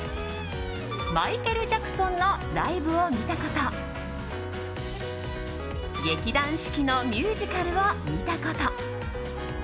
マイケル・ジャクソンのライブを見たこと劇団四季のミュージカルを見たこと。